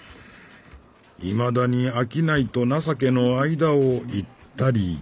いまだに商いと情けの間を行ったり来たり」。